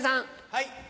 はい。